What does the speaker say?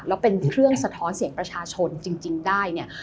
แล้วเป็นเครื่องสะท้อนเสียงประชาชนจริงได้เนี่ย